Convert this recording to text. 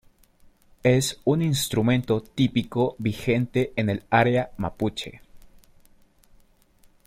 Es un instrumento típico vigente en el área mapuche.